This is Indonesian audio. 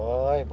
terima kasih bro